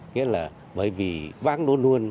nghĩa là bởi vì vang luôn luôn